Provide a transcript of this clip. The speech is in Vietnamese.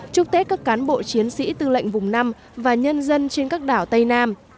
chúc tết các cán bộ chiến sĩ tư lệnh vùng năm và nhân dân trên các đảo tây nam